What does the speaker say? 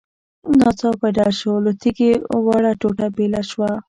. ناڅاپه ډز شو، له تيږې وړه ټوټه بېله شوه.